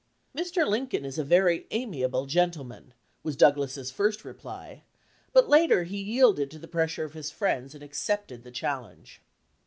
"Mr. Lincoln is a very amiable gentleman," was Douglas's first reply; but later he yielded to the pressure of his friends, and accepted the chal lenge.